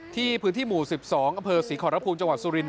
ที่พื้นที่หมู่๑๒อศิษย์ขอรพูมจังหวัดสุรินทร์